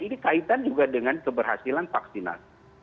ini kaitan juga dengan keberhasilan vaksinasi